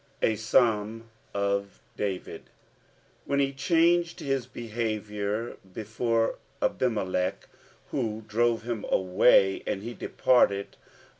— A Fulm of David, when he changed his behaTionr before Abimelech ; who drore bim Kway. and he deported.